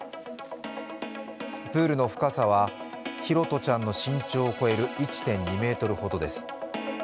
プールの深さは拓杜ちゃんの身長を超える１．２ｍほどです。